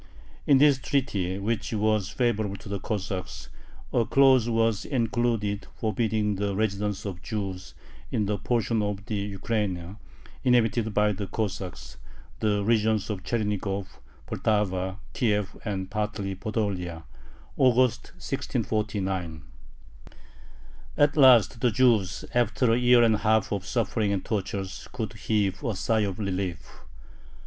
In this treaty, which was favorable to the Cossacks, a clause was included forbidding the residence of Jews in the portion of the Ukraina inhabited by the Cossacks, the regions of Chernigov, Poltava, Kiev, and partly Podolia (August, 1649). At last the Jews, after a year and a half of suffering and tortures, could heave a sigh of relief.